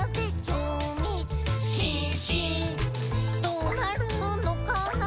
「どーなるのかな？